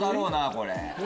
これ。